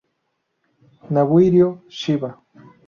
Nobuhiro Shiba